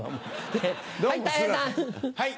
はい。